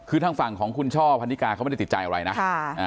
คือทางฝั่งของคุณช่อพันนิกาเขาไม่ได้ติดใจอะไรนะ